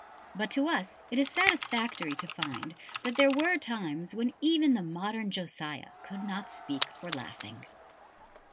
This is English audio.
But to us it is satisfactory to find that there were times when even the modern Josiah could not speak for laughing.